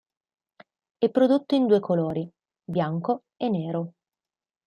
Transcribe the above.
È prodotto in due colori: bianco e nero.